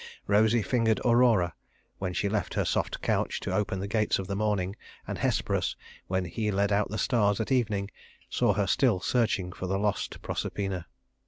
Rosy fingered Aurora, when she left her soft couch to open the gates of the morning, and Hesperus, when he led out the stars at evening, saw her still searching for the lost Proserpina.